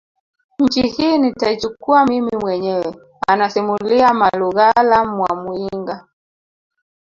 Nchi hii nitaichukua mimi mwenyewe anasimulia Malugala Mwamuyinga